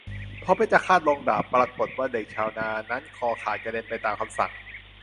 พอเพชฌฆาตลงดาบปรากฏว่าเด็กชาวนานั้นคอขาดกระเด็นไปตามคำสั่ง